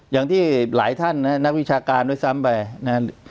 อย่างที่หลายท่านนะครับนักวิชาการด้วยซ้ำไปนะครับ